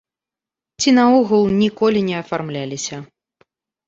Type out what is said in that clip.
Ці наогул ніколі не афармляліся!